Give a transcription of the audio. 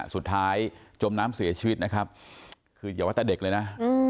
จมน้ำเสียชีวิตนะครับคืออย่าว่าแต่เด็กเลยนะ